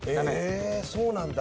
ええそうなんだ。